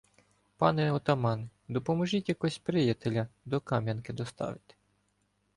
— Пане отамане, допоможіть якось "приятеля" до Кам'янки доставити.